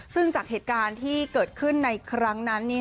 ซึ่งจากเหตุการณ์ที่เกิดขึ้นในครั้งนั้น